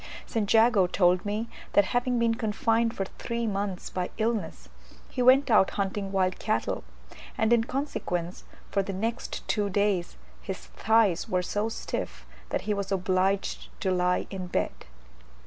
St. Jago told me, that having been confined for three months by illness, he went out hunting wild cattle, and in consequence, for the next two days, his thighs were so stiff that he was obliged to lie in bed.